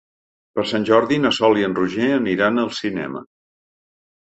Per Sant Jordi na Sol i en Roger aniran al cinema.